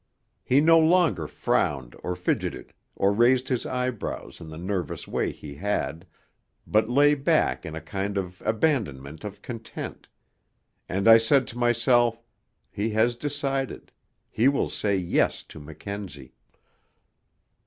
He no longer frowned or fidgeted, or raised his eyebrows in the nervous way he had, but lay back in a kind of abandonment of content.... And I said to myself, 'He has decided he will say "Yes" to Mackenzie.'